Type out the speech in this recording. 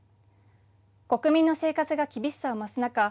国民の生活が厳しさを増す中